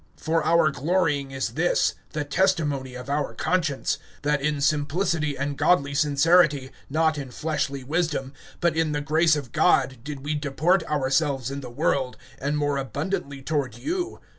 (12)For our glorying is this, the testimony of our conscience, that in simplicity and godly sincerity, not in fleshly wisdom, but in the grace of God, did we deport ourselves in the world, and more abundantly toward you.